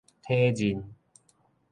體認